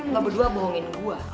kamu berdua bohongin gue